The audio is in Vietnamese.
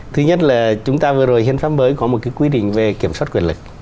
thứ nhất là chúng ta vừa rồi hiến pháp mới có một cái quy định về kiểm soát quyền lực